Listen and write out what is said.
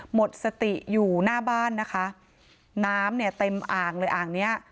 หมดสติอยู่หน้าบ้านนะคะน้ำเนี่ยเต็มอ่างเลยอ่างเนี้ย